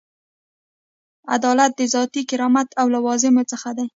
عدالت د ذاتي کرامت له لوازمو څخه دی.